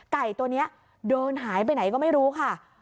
ไก่ตัวนี้เดินหายไปไหนก็ไม่รู้ค่ะ